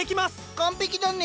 完璧だね。